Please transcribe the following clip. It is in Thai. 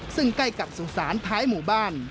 ซึ่งใกล้กับสุสานท้ายหมู่บ้าน